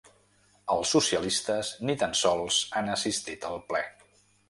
Els socialistes ni tan sols han assistit al ple.